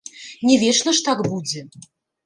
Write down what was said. Не вечна ж так будзе.